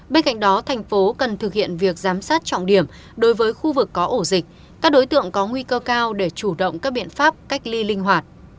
bên cạnh đó thành phố cần thực hiện việc giám sát trọng điểm đối với khu vực có ổ dịch các đối tượng có nguy cơ cao để chủ động các biện pháp cách ly linh hoạt